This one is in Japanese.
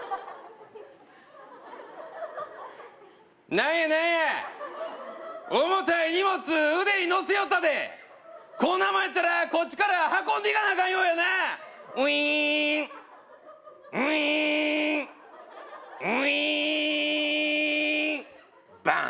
何や何や重たい荷物腕にのせよったでこんなもんやったらこっちから運んでいかなあかんようやなウイーンウイーンウイーンバーン！